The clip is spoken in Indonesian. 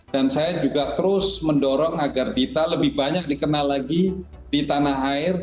saya juga terus mendorong agar dita lebih banyak dikenal lagi di tanah air